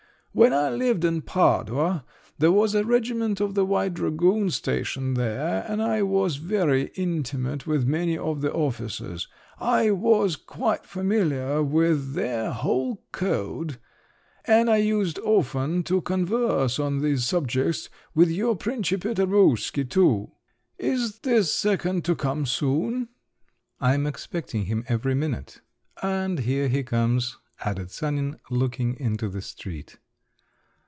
… When I lived in Padua there was a regiment of the white dragoons stationed there, and I was very intimate with many of the officers!… I was quite familiar with their whole code. And I used often to converse on these subjects with your principe Tarbuski too…. Is this second to come soon?" "I am expecting him every minute—and here he comes," added Sanin, looking into the street.